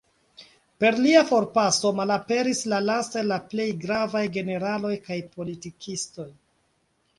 Per lia forpaso, malaperis la lasta el la plej gravaj generaloj kaj politikistoj.